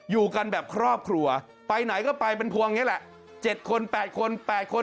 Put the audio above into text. อยู่กันแบบครอบครัวไปไหนก็ไปเป็นพวงอย่างนี้แหละ๗คน๘คน๘คน